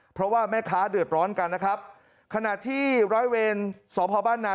เพราะว่าแม่ค้าเดือดร้อนกันนะครับขณะที่ร้อยเวรสพบ้านนา